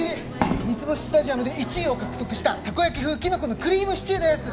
『三ツ星スタジアム』で１位を獲得したたこ焼き風きのこのクリームシチューです！